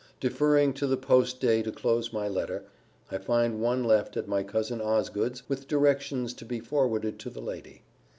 Deferring to the post day to close my letter, I find one left at my cousin Osgood's, with directions to be forwarded to the lady.